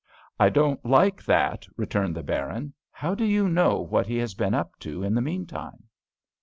"I don't like that!" returned the Baron. "How do you know what he has been up to in the meantime?"